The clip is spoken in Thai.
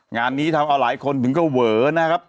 งานนี้ทำเอาหลายคนถึงก็เวอนะครับ